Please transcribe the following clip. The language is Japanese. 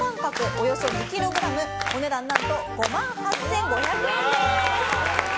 およそ２ｋｇお値段何と５万８５００円です。